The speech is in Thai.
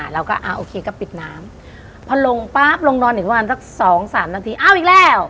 เราก็อ่าโอเคก็ปิดน้ำพอลงปั๊บลงนอนอีกประมาณสักสองสามนาทีอ้าวอีกแล้ว